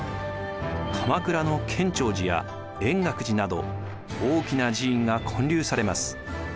鎌倉の建長寺や円覚寺など大きな寺院が建立されます。